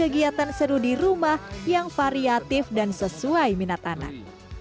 kegiatan seru di rumah yang variatif dan sesuai minat anak